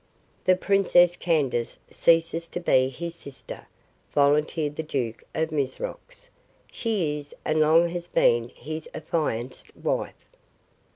"The Princess Candace ceases to be his sister," volunteered the Duke of Mizrox. "She is and long has been his affianced wife."